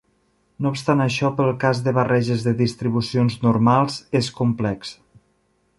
No obstant això, pel cas de barreges de distribucions normals és complex.